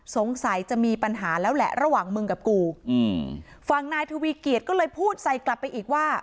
สงสัยจะมีปัญหาแล้วแหละระหว่างมึงกับกูอืมฝั่งนายทวีเกียจก็เลยพูดใส่กลับไปอีกว่า